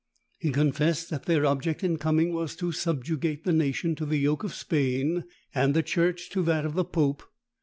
He confessed that their object in coming was to subjugate the nation to the yoke of Spain, and the church to that of the pope.